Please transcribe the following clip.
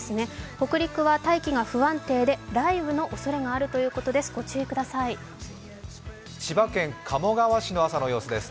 北陸は大気が不安定で雷雨のおそれがあるということです。